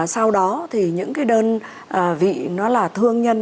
sau đó thì những cái đơn vị nó là thương nhân